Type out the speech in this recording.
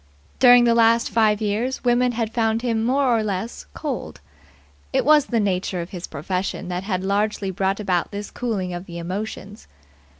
During the last five years women had found him more or less cold. It was the nature of his profession that had largely brought about this cooling of the emotions.